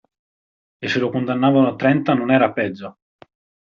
E se lo condannavano a trenta non era peggio?